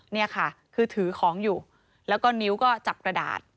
นี่ค่ะคือถือของอยู่แล้วก็นิ้วก็จับกระดาษ